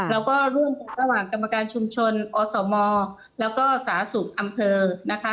แล้วก็ร่วมกันระหว่างกรรมการชุมชนอสมแล้วก็สาธารณสุขอำเภอนะคะ